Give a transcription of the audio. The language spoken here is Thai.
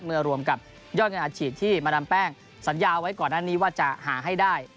รวมกับยอดเงินอาชีพที่มาดามแป้งสัญญาไว้ก่อนหน้านี้ว่าจะหาให้ได้